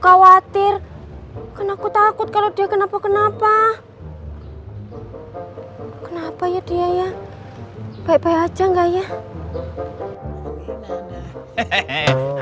khawatir kan aku takut kalau dia kenapa kenapa kenapa ya dia ya baik baik aja enggak ya gimana